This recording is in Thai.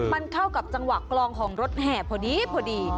มันเข้ากับจังหวะกลองของรถแห่พอดีพอดี